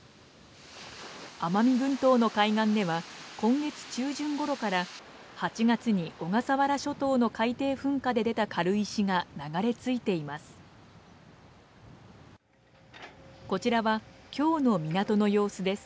奄美群島の海岸では今月中旬ごろから８月に小笠原諸島の海底噴火で出た軽石が流れ着いています。